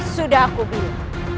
sudah aku bilang